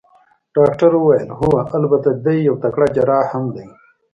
ډاکټر وویل: هو، البته دی یو تکړه جراح هم دی.